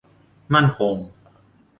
มั่นคง